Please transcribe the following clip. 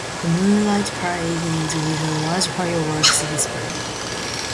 The Moonlight Parade ends with a large fireworks display.